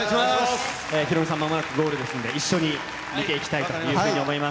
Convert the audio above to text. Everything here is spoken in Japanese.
ヒロミさん、まもなくゴールですんで、一緒に見ていきたいというふうに思います。